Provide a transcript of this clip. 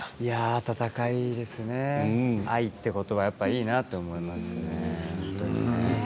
温かいですね愛ということばはいいなと思います。